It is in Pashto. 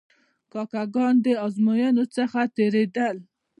کاکه ګان د آزموینو څخه تیرېدل.